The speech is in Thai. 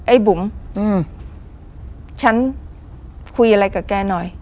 ไอ้บุ๋มฉันคุยอะไรกับแกหน่อย